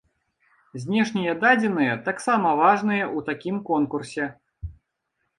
Знешнія дадзеныя таксама важныя ў такім конкурсе.